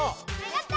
・やった！